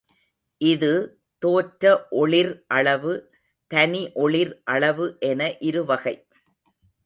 இது தோற்ற ஒளிர் அளவு, தனி ஒளிர் அளவு என இருவகை.